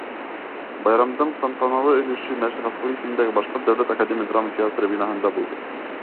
Байрамдың тантаналы өлөшө М. Ғафури исемендәге Башҡорт дәүләт академия драма театры бинаһында булды.